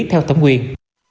theo tấm quyền